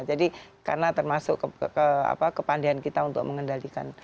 jadi karena termasuk kepandian kita untuk mengendalikan